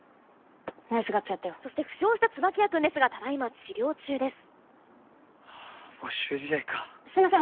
ナイスガッツやったよそして負傷した椿谷くんですがただいま治療中ですああ没収試合かすいません